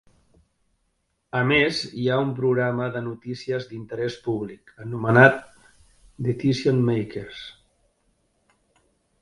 A més, hi ha un programa de notícies d'interès públic anomenat "Decision Makers".